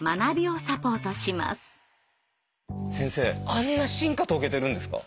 あんな進化遂げてるんですか？